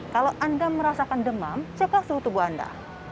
kalau anda merasakan demam ceklah suhu tubuh anda